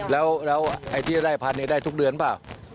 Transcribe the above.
แล้วไอ้ที่ได้พันได้ทุกเดือนเปล่า